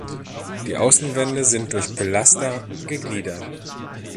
Die Außenwände sind durch Pilaster gegliedert.